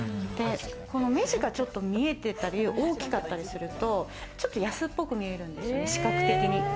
この目地がちょっと見えてたり大きかったりすると、ちょっと安っぽく見えるんですよね、視覚的に。